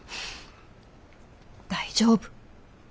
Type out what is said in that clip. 大丈夫。